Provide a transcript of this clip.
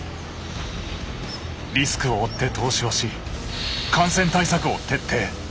リスクを負って投資をし感染対策を徹底。